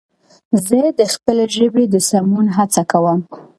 زه د خپلې ژبې د سمون هڅه کوم